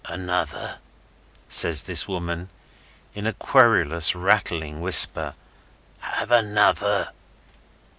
"Another?" says this woman, in a querulous, rattling whisper. "Have another?"